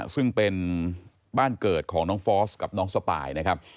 ซึ่งเป็นบ้านเกิดของน้องฟอสกับน้องสปายนะครับ